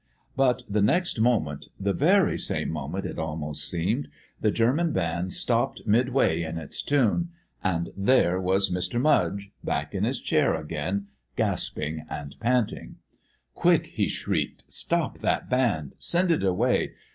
But the next moment the very same moment it almost seemed the German band stopped midway in its tune and there was Mr. Mudge back in his chair again, gasping and panting! "Quick!" he shrieked, "stop that band! Send it away!